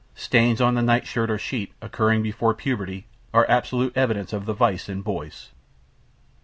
Stains on the nightshirt or sheet occurring before puberty are absolute evidence of the vice in boys.